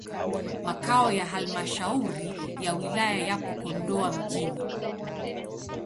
Makao ya halmashauri ya wilaya yapo Kondoa mjini.